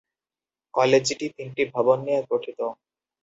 কলেজটি তিনটি ভবন নিয়ে গঠিত।